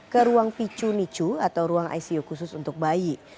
ke ruang picu nicu atau ruang icu khusus untuk bayi